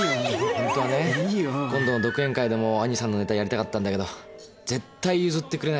ホントはね今度の独演会でも兄さんのネタやりたかったんだけど絶対譲ってくれないんだよ。